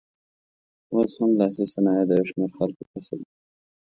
اوس هم لاسي صنایع د یو شمېر خلکو کسب دی.